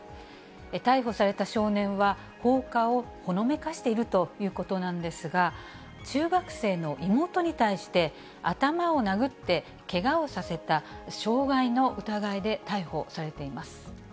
逮捕された少年は、放火をほのめかしているということなんですが、中学生の妹に対して、頭を殴ってけがをさせた、傷害の疑いで逮捕されています。